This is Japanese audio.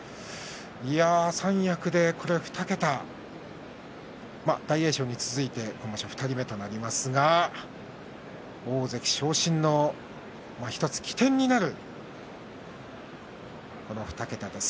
三役で２桁大栄翔に続いて今場所２人目となりますが大関昇進の１つ起点になるこの２桁です。